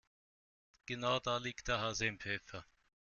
Und genau da liegt der Hase im Pfeffer.